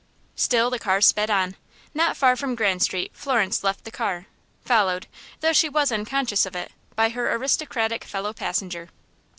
Still the car sped on. Not far from Grand Street, Florence left the car, followed, though she was unconscious of it, by her aristocratic fellow passenger.